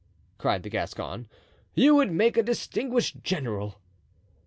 cried the Gascon, "you would make a distinguished general."